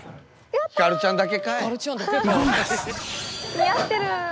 似合ってる！